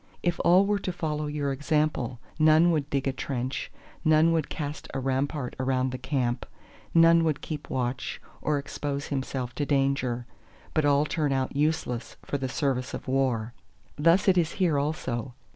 If all were to follow your example, none would dig a trench, none would cast a rampart around the camp, none would keep watch, or expose himself to danger; but all turn out useless for the service of war. ... Thus it is here also.